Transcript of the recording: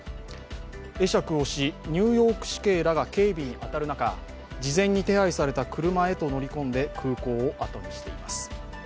会釈をし、ニューヨーク市警らが警備に当たる中事前に手配された車へと乗り込んで空港をあとにしています。